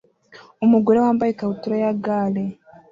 Umugore wambaye ikabutura ya gare